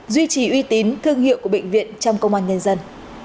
duy trì uy tín thương hiệu của bệnh viện trong công an nhân dân